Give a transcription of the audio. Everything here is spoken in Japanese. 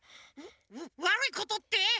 わるいことって？